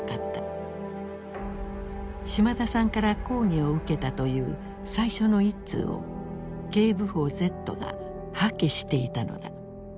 島田さんから抗議を受けたという最初の一通を警部補Ｚが破棄していたのだ。